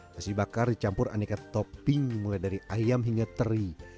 nasi bakar dicampur aneka topping mulai dari ayam hingga teri